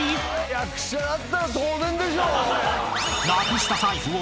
役者だったら当然でしょ。